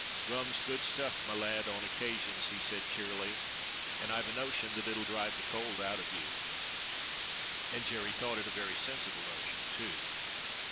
"Rum's good stuff, my lad, on occasions," he said cheerily, "and I've a notion that it'll drive the cold out of you," and Jerry thought it a very sensible notion, too.